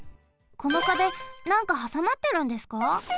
この壁なんかはさまってるんですか？